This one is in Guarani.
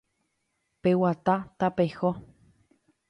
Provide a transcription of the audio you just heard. ¡Peguata, tapeho!